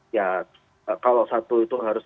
ya kalau satu itu harus